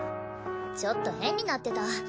ちょっと変になってた。